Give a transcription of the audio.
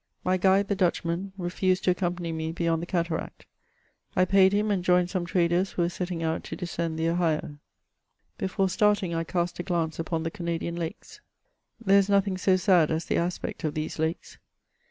My guide, the Dutchman, remsed to accompany me beyond the cataract. I paid him, and joined some traders who were setting out to descend the Ohio« Before starting I cast a glance upon the Canadian lakes — there is nothing so sad as the aspect of these lakes.